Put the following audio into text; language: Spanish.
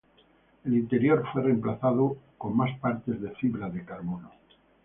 El interior fue reemplazado con más partes de fibra de carbono.